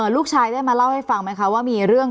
ลูกชายได้มาเล่าให้ฟังไหมคะว่ามีเรื่อง